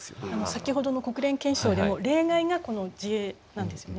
先ほどの国連憲章でも例外がこの自衛なんですよね。